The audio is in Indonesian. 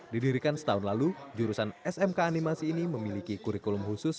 didirikan setahun lalu jurusan smk animasi ini memiliki kurikulum khusus